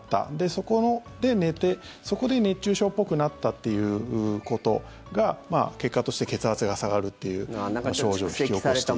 そこで寝て、そこで熱中症っぽくなったということが結果として血圧が下がるっていう症状を引き起こしていると。